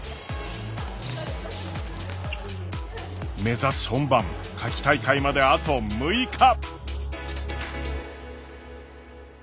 目指す本番夏季大会まであと６日。